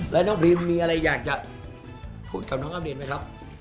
แล้วน้องพิมมีอะไรอยากจะพูดกับน้องอาบีมไหมครับ